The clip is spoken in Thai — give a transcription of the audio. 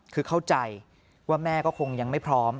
คือเข้าใจว่าแม่ก็คงยังไม่พร้อม